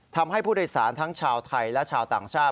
ทำให้ผู้โดยสารทั้งชาวไทยและชาวต่างชาติ